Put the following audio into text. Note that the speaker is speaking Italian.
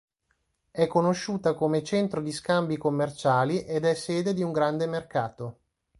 È conosciuta come centro di scambi commerciali ed è sede di un grande mercato.